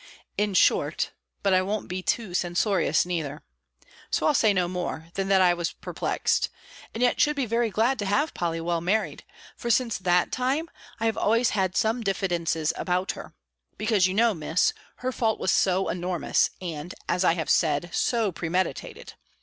In short but I won't be too censorious neither. So I'll say no more, than that I was perplexed; and yet should be very glad to have Polly well married; for, since that time, I have always had some diffidences about her Because, you know, Miss her fault was so enormous, and, as I have said, so premeditated.